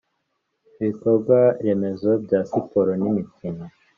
Ibikorwaremezo bya siporo n imikino